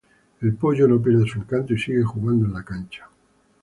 El pollo no pierde su encanto y sigue jugando en la cancha.